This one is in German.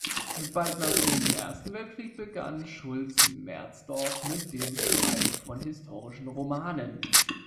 Bald nach dem Ersten Weltkrieg begann Schultz-Merzdorf mit dem Schreiben von historischen Romanen.